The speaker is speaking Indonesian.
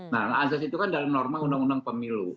nah azas itu kan dalam norma undang undang pemilu